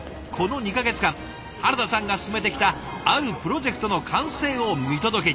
この２か月間原田さんが進めてきたあるプロジェクトの完成を見届けに。